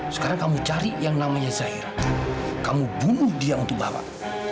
sekarang kamu cari yang namanya zahira kamu bunuh dia untuk bapak